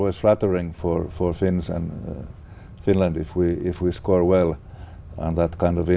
để phát triển tình hình của chúng tôi